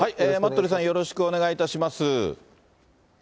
待鳥さん、よろしくお願いいたします。